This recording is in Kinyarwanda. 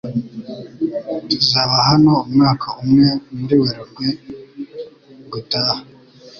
Tuzaba hano umwaka umwe muri Werurwe gutaha.